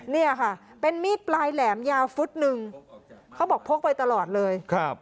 เนี่ยค่ะเป็นมีดปลายแหลมยาวฟุตหนึ่งเขาบอกพกไปตลอดเลยครับ